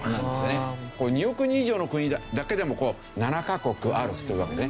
２億人以上の国だけでも７カ国あるというわけですね。